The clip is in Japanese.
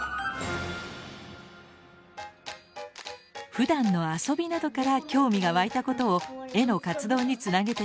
ふだんの遊びなどから興味が湧いたことを絵の活動につなげていきます。